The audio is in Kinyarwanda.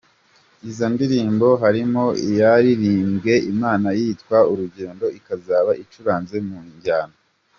izo ndirimbo harimo iyaririmbiwe Imana yitwa Urugendo ikazaba icuranze mu njyana.